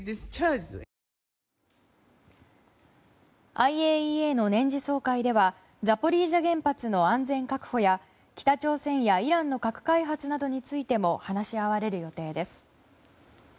ＩＡＥＡの年次総会ではザポリージャ原発の安全確保や北朝鮮やイランの核開発などについても話し合われる予定です。